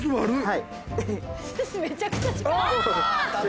はい。